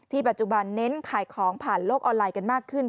ปัจจุบันเน้นขายของผ่านโลกออนไลน์กันมากขึ้น